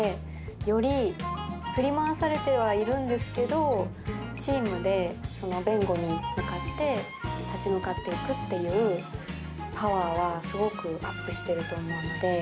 より振り回されてはいるんですけどチームで弁護に向かって立ち向かっていくというパワーはすごくアップしてると思うので。